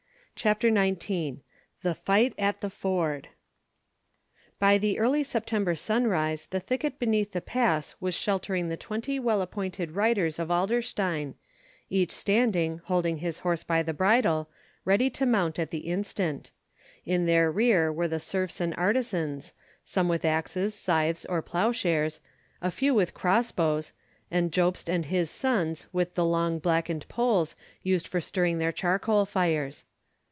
CHAPTER XIX THE FIGHT AT THE FORD BY the early September sunrise the thicket beneath the pass was sheltering the twenty well appointed reiters of Adlerstein, each standing, holding his horse by the bridle, ready to mount at the instant. In their rear were the serfs and artisans, some with axes, scythes, or ploughshares, a few with cross bows, and Jobst and his sons with the long blackened poles used for stirring their charcoal fires.